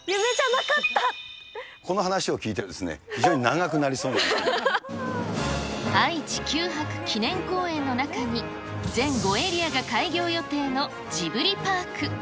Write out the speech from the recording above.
この話を聞いてると非常に長愛・地球博記念公園の中に、全５エリアが開業予定のジブリパーク。